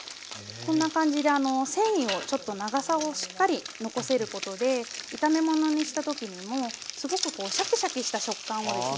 こんな感じで繊維をちょっと長さをしっかり残せることで炒め物にした時にもすごくこうシャキシャキした食感をですね。